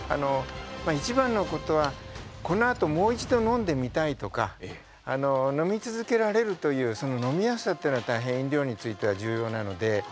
一番のことは、このあともう一度飲んでみたいとか飲み続けられるという飲みやすさが飲料については重要なので。